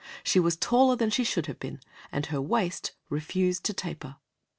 She was taller than she should have been, and her waist refused to taper.